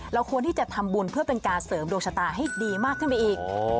ควรที่จะทำบุญเพื่อเป็นการเสริมดวงชะตาให้ดีมากขึ้นไปอีก